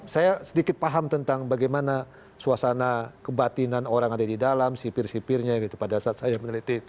saya sedikit paham tentang bagaimana suasana kebatinan orang ada di dalam sipir sipirnya gitu pada saat saya meneliti itu